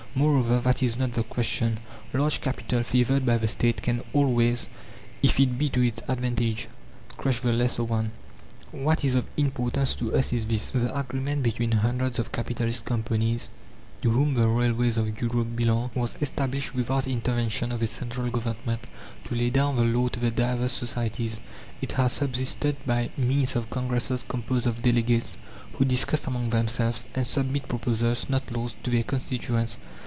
Moreover, that is not the question. Large Capital, favoured by the State, can always, if it be to its advantage, crush the lesser one. What is of importance to us is this: The agreement between hundreds of capitalist companies to whom the railways of Europe belong, was established without intervention of a central government to lay down the law to the divers societies; it has subsisted by means of congresses composed of delegates, who discuss among themselves, and submit proposals, not laws, to their constituents.